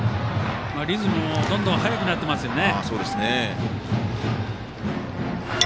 リズムもどんどん速くなってますね。